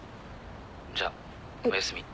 じゃおやすみ。